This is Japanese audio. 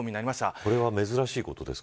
これは珍しいことですか。